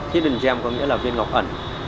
hidden gem có nghĩa là viên ngọc ẩn